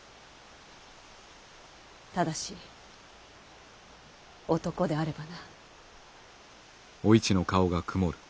ただし男であればな。